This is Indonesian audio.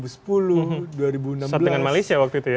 dengan malaysia waktu itu ya